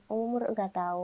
umur gak tahu